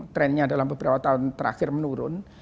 trennya dalam beberapa tahun terakhir menurun